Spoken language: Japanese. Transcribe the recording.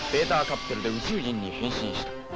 カプセルで宇宙人に変身した。